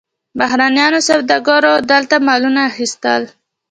بهرنیو سوداګرو دلته مالونه اخیستل.